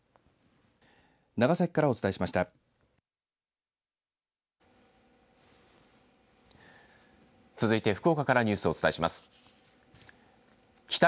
長崎からお伝えしました。